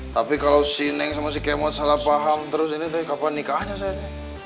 tapi kalo si neng sama si kemot salahpaham terus ini tuh kapan nikahnya sayet